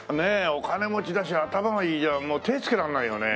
お金持ちだし頭がいいじゃもう手つけらんないよね。